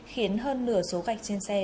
khiến hơn nửa số gạch trên xe